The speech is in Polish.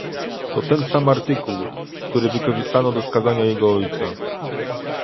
To ten sam artykuł, który wykorzystano do skazania jego ojca